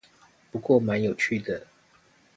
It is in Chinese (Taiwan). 不過蠻有趣的